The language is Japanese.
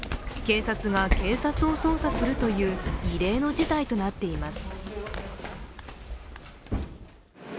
警察が警察を捜査するという異例の事態となっています。